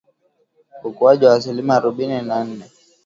Ukuaji wa asilimia arobaini na nne